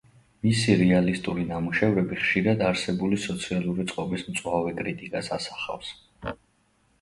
მისი რეალისტური ნამუშევრები ხშირად არსებული სოციალური წყობის მწვავე კრიტიკას ასახავს.